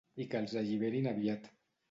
I que els alliberin aviat.